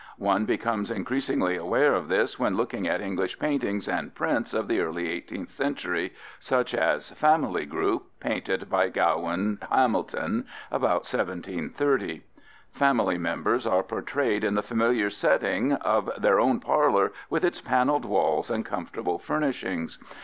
One becomes increasingly aware of this when looking at English paintings and prints of the early 18th century, such as Family Group (fig. 1), painted by Gawen Hamilton about 1730. Family members are portrayed in the familiar setting of their own parlor with its paneled walls and comfortable furnishings.